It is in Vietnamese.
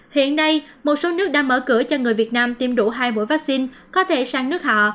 hiện nay một số nước đã mở cửa cho người việt nam tiêm đủ hai mũi vaccine có thể sang nước họ